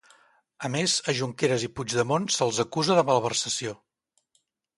A més, a Junqueres i Puigdemont se'ls acusa de malversació.